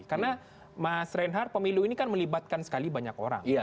karena mas reinhardt pemilu ini kan melibatkan sekali banyak orang